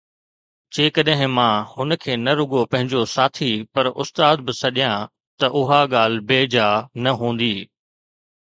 جيڪڏهن مان هن کي نه رڳو پنهنجو ساٿي پر استاد به سڏيان ته اها ڳالهه بيجا نه هوندي